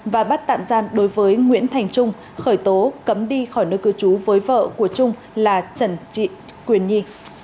và bắt tạm giam đối với nguyễn thành trung khởi tố cấm đi khỏi nơi cư trú với vợ của trung là trần quyền nhi